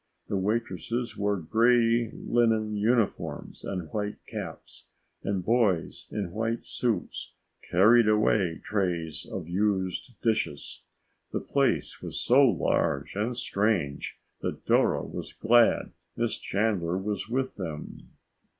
The waitresses wore gray linen uniforms and white caps, and boys in white suits carried away trays of used dishes. The place was so large and strange that Dora was glad Miss Chandler was with them.